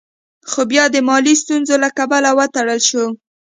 خو بيا د مالي ستونزو له کبله وتړل شوه.